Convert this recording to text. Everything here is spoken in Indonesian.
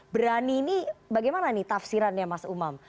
berani ini bagaimana nih tafsirannya mas umam